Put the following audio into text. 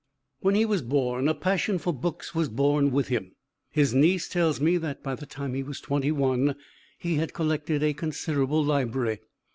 When he was born, a passion for books was born with him. His niece tells me that by the time he was twenty one he had collected a considerable library.